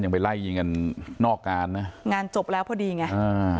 ก็ยังไปไล่เงินกันนอกการนะงานจบแล้วพอดีไง